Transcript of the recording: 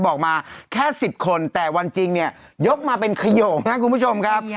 บอกมาแค่๑๐คนแต่วันจริงเนี่ยยกมาเป็นขยกนะคุณผู้ชมครับ